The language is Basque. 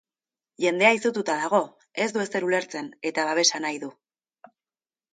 Jendea izututa dago, ez du ezer ulertzen eta babesa nahi du.